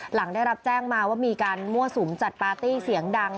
หลังได้รับแจ้งมาว่ามีการมั่วสุมจัดปาร์ตี้เสียงดัง